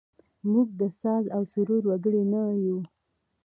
موږ د ساز او سرور وګړي نه یوو.